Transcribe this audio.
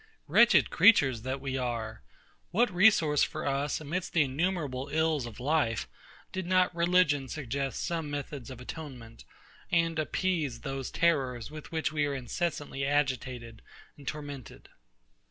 Wretched creatures that we are! what resource for us amidst the innumerable ills of life, did not religion suggest some methods of atonement, and appease those terrors with which we are incessantly agitated and tormented?